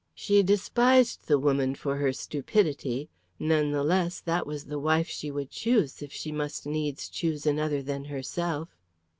She despised the woman for her stupidity; none the less, that was the wife she would choose, if she must needs choose another than herself.